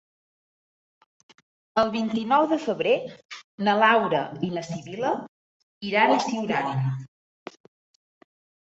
El vint-i-nou de febrer na Laura i na Sibil·la iran a Siurana.